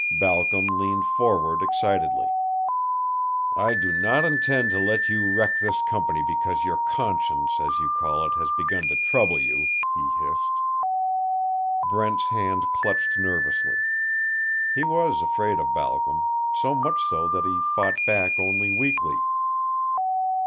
Balcom leaned forward excitedly. "I do not intend to let you wreck this company because your conscience, as you call it, has begun to trouble you," he hissed. Brent's hand clutched nervously. He was afraid of Balcom so much so that he fought back only weakly.